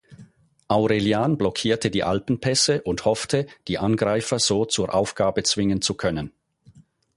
Aurelian blockierte die Alpenpässe und hoffte, die Angreifer so zur Aufgabe zwingen zu können.